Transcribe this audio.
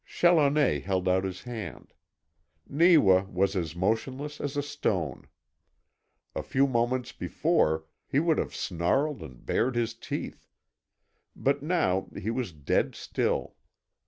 Challoner held out his hand. Neewa was as motionless as a stone. A few moments before he would have snarled and bared his teeth. But now he was dead still.